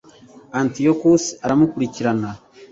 antiyokusi aramukurikirana